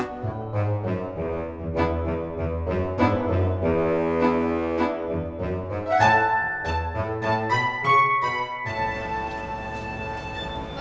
hah tebelin tuh sih ya